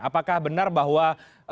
apakah benar bahwa